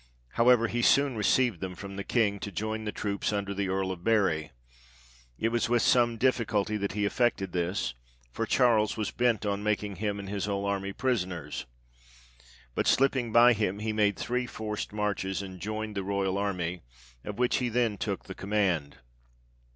However, he soon received them from the King, to join the troops under the Earl of Bury. It was with some difficulty that he effected this, for Charles was bent on making him and his whole army prisoners. But slipping by him, he made three forced marches, and joined the royal army, of which he then took the command.